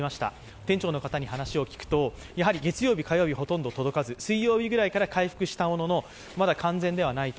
店長の方に話を聞くと、月曜日、火曜日ほとんど届かず水曜日ぐらいから回復したものの、まだ完全ではないと。